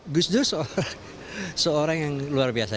gusdur seorang yang luar biasa